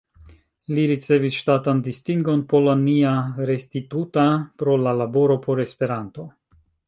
Li ricevis ŝtatan distingon "Polonia Restituta" pro la laboro por Esperanto.